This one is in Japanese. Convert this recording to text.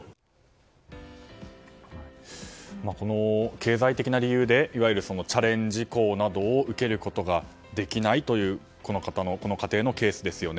経済的な理由でいわゆるチャレンジ校などを受けることができないという家庭のケースですよね。